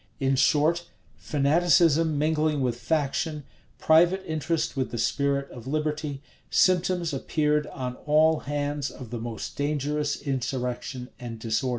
In short, fanaticism mingling with faction, private interest with the spirit of liberty, symptoms appeared on all hands of the most dangerous insurrection and disorder.